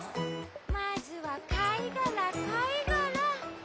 まずはかいがらかいがら。